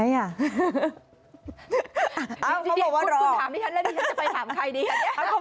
จริงคุณถามให้ฉันแล้วนี่ฉันจะไปถามใครดีกันเนี่ย